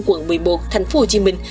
quận một mươi một thành phố hồ chí minh